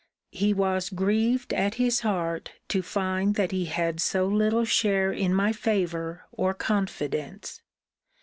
'He was grieved at his heart, to find that he had so little share in my favour or confidence.